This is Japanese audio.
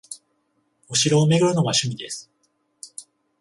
お城を巡るのが趣味です